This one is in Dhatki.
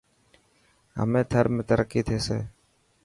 همي ٿر ۾ ترقي ٿيسي.